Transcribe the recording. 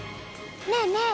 ねえねえ